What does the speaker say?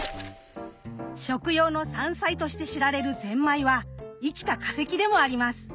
食用の山菜として知られるゼンマイは生きた化石でもあります。